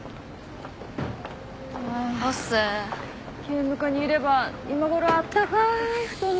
警務課にいれば今頃あったかい布団の中で。